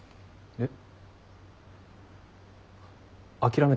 えっ？